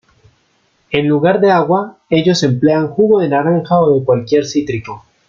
En lugar de agua, ellos emplean jugo de naranja o de cualquier cítrico.